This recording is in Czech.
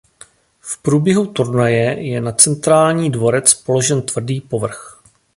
V průběhu turnaje je na centrální dvorec položen tvrdý povrch.